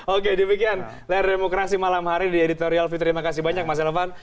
oke demikian layar demokrasi malam hari di editorial view terima kasih banyak mas elvan